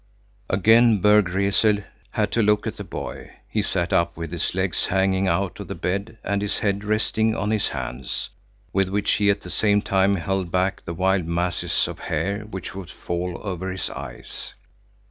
Again Berg Rese had to look at the boy. He sat up with his legs hanging out of the bed and his head resting on his hands, with which he at the same time held back the wild masses of hair which would fall over his eyes.